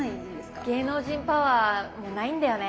芸能人パワーもうないんだよね。